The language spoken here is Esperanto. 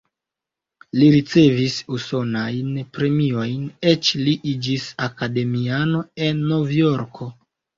Li ricevis usonajn premiojn, eĉ li iĝis akademiano en Novjorko.